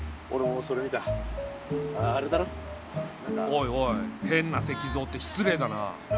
おいおい変な石像って失礼だな。